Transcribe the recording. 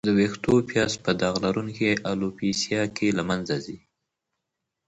د وېښتو پیاز په داغ لرونکې الوپیسیا کې له منځه ځي.